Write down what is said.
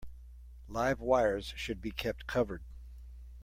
Live wires should be kept covered.